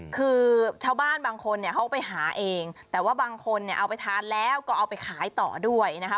คือชาวบ้านบางคนเนี่ยเขาไปหาเองแต่ว่าบางคนเนี่ยเอาไปทานแล้วก็เอาไปขายต่อด้วยนะคะ